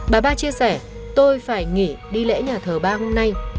bà ba chia sẻ tôi phải nghỉ đi lễ nhà thờ ba hôm nay